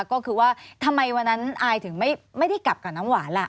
ก็คือว่าทำไมวันนั้นอายถึงไม่ได้กลับกับน้ำหวานล่ะ